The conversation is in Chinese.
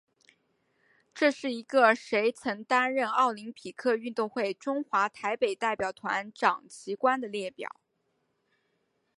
这是一个谁曾担任奥林匹克运动会中华台北代表团掌旗官的列表。